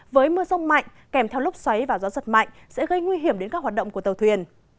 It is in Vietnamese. với mưa rông mạnh kèm theo lúc xoáy và gió giật mạnh sẽ gây nguy hiểm đến các hoạt động của tàu thuyền